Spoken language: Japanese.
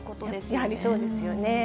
やはりそうですよね。